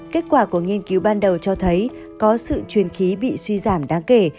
kết quả của nghiên cứu ban đầu cho thấy có sự truyền khí bị suy giảm đáng kể